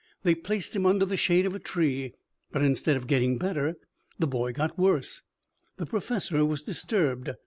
They placed him under the shade of a tree but instead of getting better the boy got worse: The Professor was disturbed.